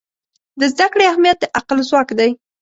د زده کړې اهمیت د عقل ځواک دی.